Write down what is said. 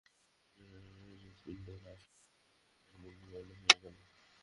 হঠাৎ বিনয়ের হৃৎপিণ্ড লাফাইয়া উঠিল এবং তাহার মুখ বিবর্ণ হইয়া গেল।